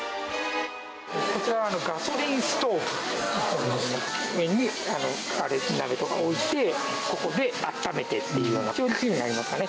こちらはガソリンストーブといいまして、上に鍋とか置いて、ここであっためてっていうような、調理器具になりますかね。